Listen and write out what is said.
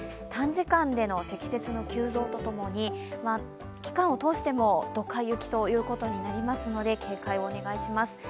短時間での積雪の急増とともに期間を通してもどか雪ということになりますので警戒をお願いします。